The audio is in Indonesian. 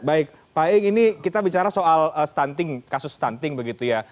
baik pak iing ini kita bicara soal kasus stunting begitu ya